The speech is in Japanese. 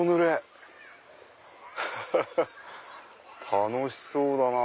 楽しそうだな。